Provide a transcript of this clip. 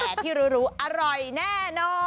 แต่ที่รู้อร่อยแน่นอน